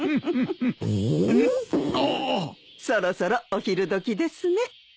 そろそろお昼時ですね。